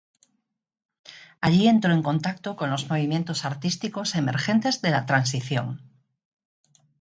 Allí entró en contacto con los movimientos artísticos emergentes de la Transición.